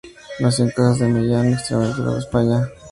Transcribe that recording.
Nació en Casas de Millán en Extremadura, España.